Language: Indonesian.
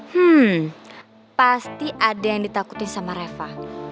hmm pasti ada yang ditakutin sama reva